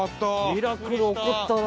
ミラクル起こったな。